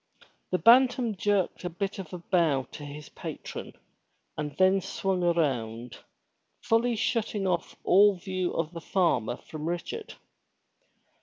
'* The Bantam jerked a bit of a bow to his patron, and then swung around, fully shutting off all view of the farmer from Richard.